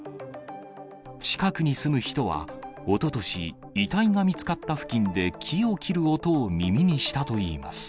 近くに住む人は、おととし、遺体が見つかった付近で木を切る音を耳にしたといいます。